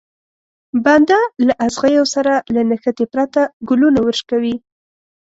بنده له ازغيو سره له نښتې پرته ګلونه ورشکوي.